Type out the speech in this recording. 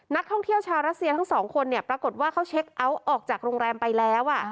นักท่องเที่ยวชาวรัสเซียทั้งสองคนเนี่ยปรากฏว่าเขาเช็คเอาท์ออกจากโรงแรมไปแล้ว